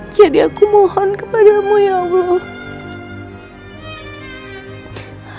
jadi aku mohon kepadamu ya allah